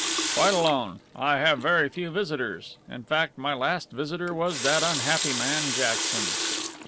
"Quite alone. I have very few visitors. In fact, my last visitor was that unhappy man Jackson."